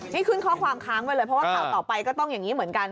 นี่ขึ้นข้อความค้างไว้เลยเพราะว่าข่าวต่อไปก็ต้องอย่างนี้เหมือนกัน